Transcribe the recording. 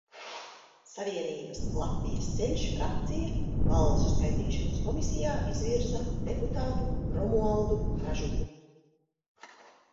"Savienības "Latvijas ceļš" frakcija Balsu skaitīšanas komisijā izvirza deputātu Romualdu Ražuku."